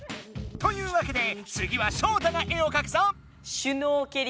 というわけでつぎはショウタが絵をかくぞ。